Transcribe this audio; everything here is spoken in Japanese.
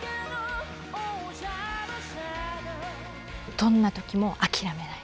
どんな時も諦めない。